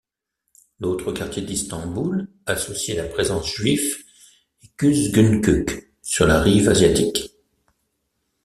L'autre quartier d'Istanbul associé à la présence juive est Kuzguncuk sur la rive asiatique.